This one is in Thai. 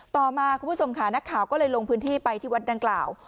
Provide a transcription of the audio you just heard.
ต่อมาคุณผู้ชมค่ะนักข่าวก็เลยลงพื้นที่ไปที่วัดดังกล่าว